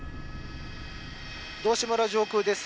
道志村上空です。